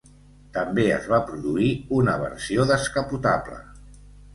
També es va produir una versió descapotable.